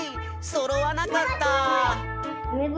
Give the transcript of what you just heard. そろわなかった！